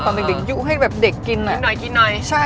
ตอนเด็กยุ๊ะให้เด็กกินน่ะ